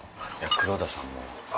黒田さんも。